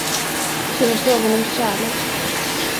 Det var frågan om kärlek.